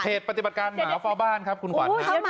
เพจพนธิบัตรการหมาวฟ้าบ้านครับคุณควันครับ